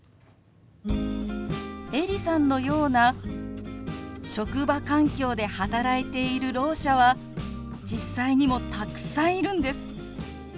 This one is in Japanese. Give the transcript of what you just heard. エリさんのような職場環境で働いているろう者は実際にもたくさんいるんです。